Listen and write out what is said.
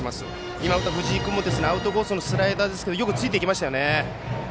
今打った藤井君もアウトコースのスライダーですがよくついていきましたよね。